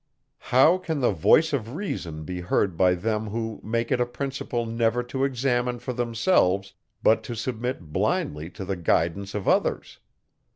How can the voice of reason be heard by them who make it a principle never to examine for themselves, but to submit blindly to the guidance of others?